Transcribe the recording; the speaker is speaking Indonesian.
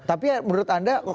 tapi menurut anda